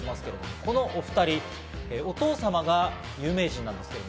このお２人、お父様が有名人なんです。